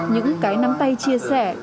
những cái nắm tay chia sẻ